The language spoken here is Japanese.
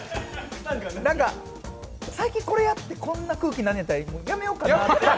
なんか最近これやってこんな空気になるんやったらやめようかなって。